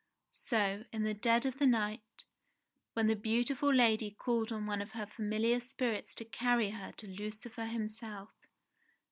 So, in the dead of the night, when the beautiful lady called on one of her familiar spirits to carry her to Lucifer himself.